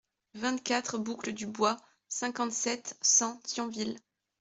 vingt-quatre boucle du Bois, cinquante-sept, cent, Thionville